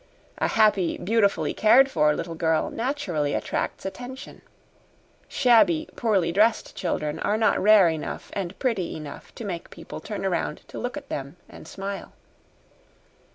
A happy, beautifully cared for little girl naturally attracts attention. Shabby, poorly dressed children are not rare enough and pretty enough to make people turn around to look at them and smile.